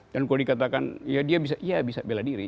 dan kalau dikatakan ya dia bisa iya bisa bela diri